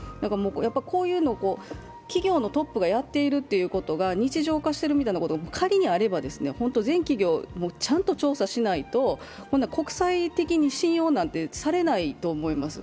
こういうのを企業のトップがやっているということが日常化しているみたいなことが仮にあればホント、全企業、ちゃんと調査しないと、国際的に信用なんてされないと思います。